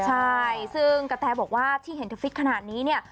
ใช่ซึ่งกระแทบอกว่าที่เห็นเธอฟิตขนาดนี้เนี่ย